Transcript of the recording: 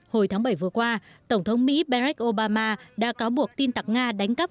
hồi tháng bảy vừa qua tổng thống mỹ beck obama đã cáo buộc tin tặc nga đánh cắp